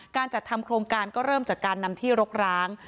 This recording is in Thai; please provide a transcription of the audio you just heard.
การจัดทำโครงการก็เริ่มจากการนำที่รกร้าง